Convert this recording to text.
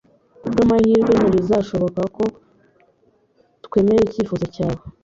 Kubwamahirwe ntibizashoboka ko twemera icyifuzo cyawe